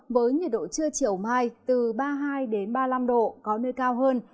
với nhiệt độ trưa chiều mai từ ba mươi hai ba mươi năm độ có nơi cao hơn